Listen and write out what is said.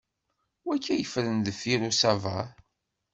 Wakka yeffren deffir usaber?